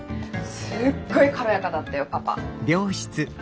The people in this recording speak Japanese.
すっごい軽やかだったよパパ。